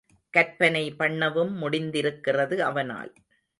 கற்பனை பண்ணவும் முடிந்திருக்கிறது அவனால்.